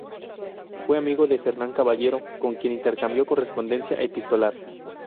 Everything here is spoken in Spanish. Fue amigo de Fernán Caballero, con quien intercambió correspondencia epistolar.